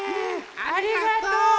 ありがとう。